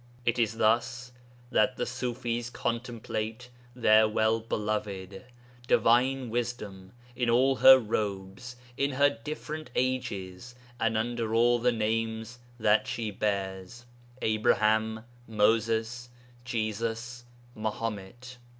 It is thus that the Ṣufis contemplate their Well beloved, Divine Wisdom, in all her robes, in her different ages, and under all the names that she bears, Abraham, Moses, Jesus, Mahomet.'